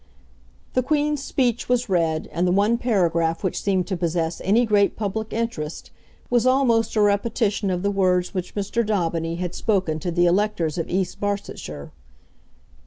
The Queen's Speech was read, and the one paragraph which seemed to possess any great public interest was almost a repetition of the words which Mr. Daubeny had spoken to the electors of East Barsetshire.